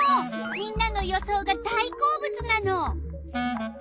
みんなの予想が大好物なの。